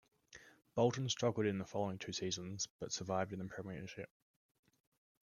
Bolton struggled in the following two seasons, but survived in the Premiership.